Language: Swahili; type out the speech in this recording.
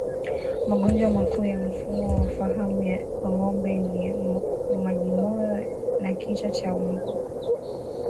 Magonjwa makuu ya mfumo wa fahamu kwa ngombe ni majimoyo na kichaa cha mbwa